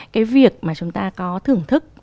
cái việc mà chúng ta có thưởng thức